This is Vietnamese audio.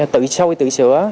tự sôi tự sửa